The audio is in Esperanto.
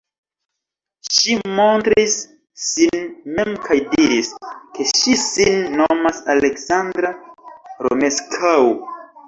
Ŝi montris sin mem kaj diris, ke ŝi sin nomas Aleksandra Romeskaŭ.